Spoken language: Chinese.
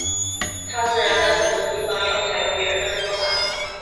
他自然在很多地方要采用别人的说法。